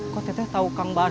kok teteh tau kang banget